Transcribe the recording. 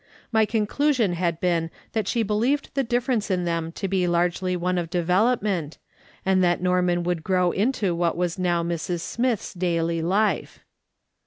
My conclusion had been that she believed the difi'erence in them to be largely one of development, and that Norman would grow into what was now Mrs. Smith's daily life.